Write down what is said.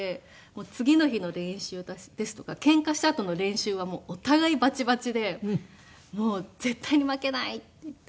次の日の練習ですとかケンカしたあとの練習はお互いバチバチでもう絶対に負けないっていって。